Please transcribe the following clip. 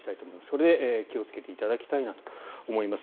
それで気をつけていただきたいなと思います。